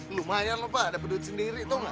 lumayan loh pak dapet duit sendiri tau gak